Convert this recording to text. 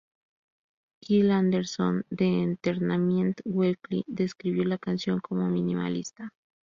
Kyle Anderson de "Entertainment Weekly" describió la canción como "minimalista".